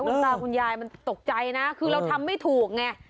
คุณตาคุณยายมันตกใจนะคือเราทำไม่ถูกไง